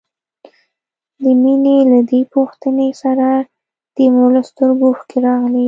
د مينې له دې پوښتنې سره د مور له سترګو اوښکې راغلې.